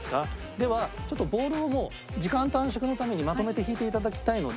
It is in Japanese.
ではちょっとボールをもう時間短縮のためにまとめて引いていただきたいので。